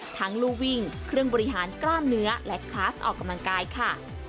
ลูกวิ่งเครื่องบริหารกล้ามเนื้อและคลาสออกกำลังกายค่ะ